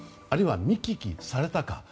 あるいは見聞きされたか